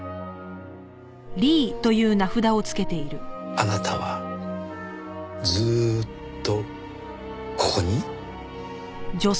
あなたはずっとここに？